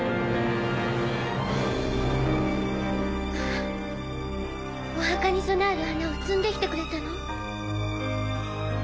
あお墓に供える花をつんで来てくれたの？